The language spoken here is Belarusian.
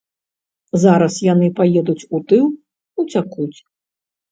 Зараз яны паедуць у тыл, уцякуць.